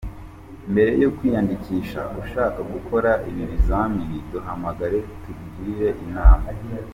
Mbere yo kwiyandikisha ushaka gukora ibi bizamini, duhamagare tukugire inama.